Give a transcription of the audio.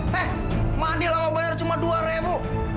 hei mandi lama bayar cuma dua revo